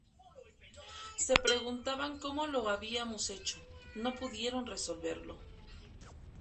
Se preguntaban cómo lo habíamos hecho, no pudieron resolverlo.